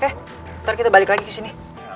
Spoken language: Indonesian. eh ntar kita balik lagi kesini